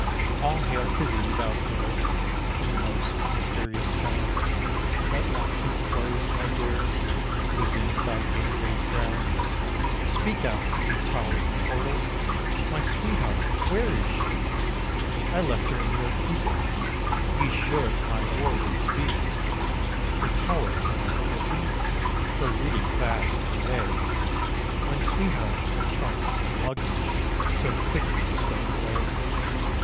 All hail to thee, thou fairest And most mysterious town! That once inclosed my dearest Within thy gateways brown. Speak out, ye towers and portals! My sweetheart, where is she? I left her in your keeping; Ye should my warders be. The towers are not guilty, For rooted fast were they. When sweetheart, with trunks and luggage, So quickly stole away.